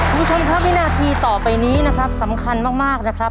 คุณผู้ชมครับวินาทีต่อไปนี้นะครับสำคัญมากนะครับ